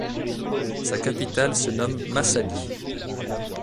Sa capitale se nomme Masallı.